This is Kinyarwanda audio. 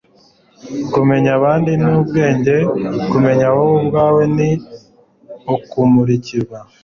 kumenya abandi ni ubwenge, kumenya wowe ubwawe ni ukumurikirwa